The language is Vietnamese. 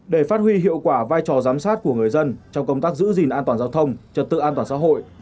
để phát huy hiệu quả vai trò giám sát của người dân trong công tác giữ gìn an toàn giao thông trật tự an toàn xã hội